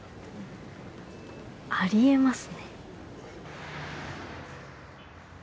あり得ますね。